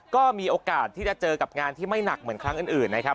ก็มีโอกาสที่จะเจอกับงานที่ไม่หนักเหมือนครั้งอื่นนะครับ